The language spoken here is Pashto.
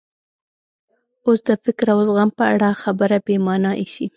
اوس د فکر او زغم په اړه خبره بې مانا ایسي.